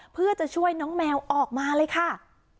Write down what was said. เพื่อจะช่วยน้องแมวออกมาเลยค่ะ